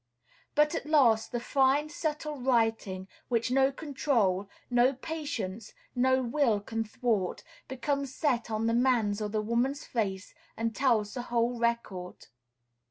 But at last the fine, subtle writing, which no control, no patience, no will can thwart, becomes set on the man's or the woman's face, and tells the whole record.